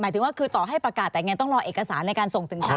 ถึงว่าคือต่อให้ประกาศแต่ไงต้องรอเอกสารในการส่งถึงสาร